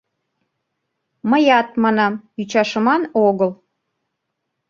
Мыят манам: ӱчашыман огыл.